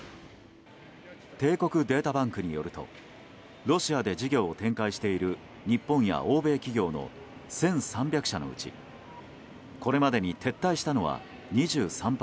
帝国データバンクによるとロシアで事業を展開している日本や欧米企業の１３００社のうちこれまでに撤退したのは２３％。